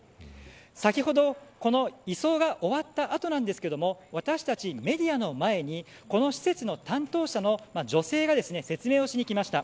先ほど、この移送が終わった後なんですけれども私たち、メディアの前にこの施設の担当者の女性が説明をしに来ました。